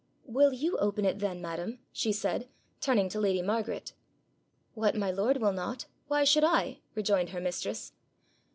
'Will you open it then, madam?' she said, turning to lady Margaret. 'What my lord will not, why should I?' rejoined her mistress.